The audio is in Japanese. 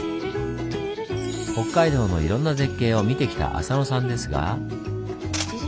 北海道のいろんな絶景を見てきた浅野さんですが。